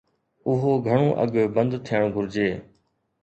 اهو گهڻو اڳ بند ٿيڻ گهرجي.